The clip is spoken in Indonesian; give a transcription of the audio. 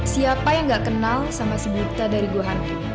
siapa yang gak kenal sama si buta dari gua hantu